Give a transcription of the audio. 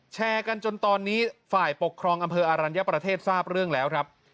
แชร์กันจนตอนนี้ฝ่ายปกครองอำเภออรัญญประเทศทราบเรื่องแล้วครับ